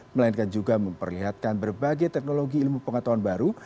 melainkan juga memperlihatkan berbagai teknologi ilmu pengetahuan baru